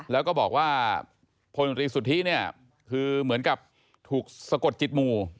และก็บอกว่าพตรอศัริสุธิถูกสะกดจิตหมู่